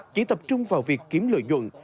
chỉ tập trung vào việc kiếm lợi dụng